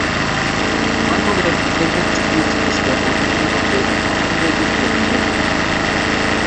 One of the rejected scripts is the original version of Hooray for America!